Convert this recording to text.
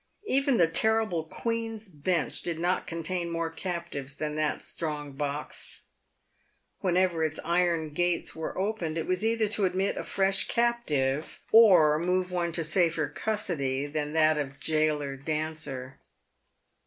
Even the terrible Queen's Bench did not contain more captives than that strong box. Whenever its iron gates were opened, it was either to admit a fresh captive, or move one to safer custody than that of gaoler Dancer.